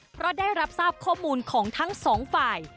เพราะได้รับทราบข้อมูลของทั้งสองฝ่าย